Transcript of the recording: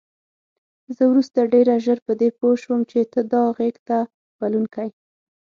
زه وروسته ډېره ژر په دې پوه شوم چې ته دا غېږ ته بلونکی.